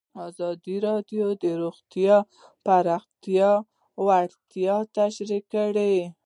ازادي راډیو د روغتیا د پراختیا اړتیاوې تشریح کړي.